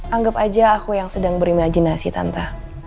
anggap aja aku yang sedang berimajinasi tanpa